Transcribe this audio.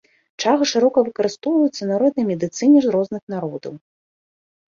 Чага шырока выкарыстоўваецца ў народнай медыцыне розных народаў.